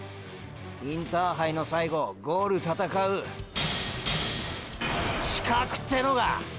インターハイの最後ゴール闘う“資格”てのが！！